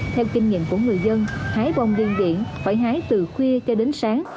theo kinh nghiệm của người dân hái bông điên điển phải hái từ khuya cho đến sáng